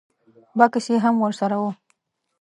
بکس یې هم ور سره و.